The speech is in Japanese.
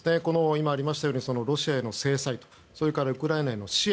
今ありましたようにロシアへの制裁それからウクライナへの支援